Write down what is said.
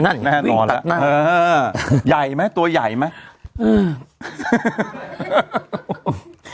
นั่นไงแน่นอนวิ่งตัดหน้าเออใหญ่ไหมตัวใหญ่ไหมอืม